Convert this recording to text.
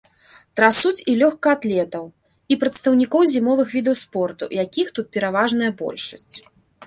Трасуць і лёгкаатлетаў, і прадстаўнікоў зімовых відаў спорту, якіх тут пераважная большасць.